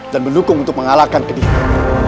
dan mendukungmu untuk mengalahkan kediri